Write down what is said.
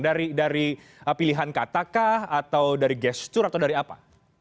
dari pilihan katakah atau dari gesture atau dari apa